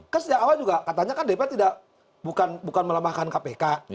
kan sejak awal juga katanya kan dpr tidak bukan melemahkan kpk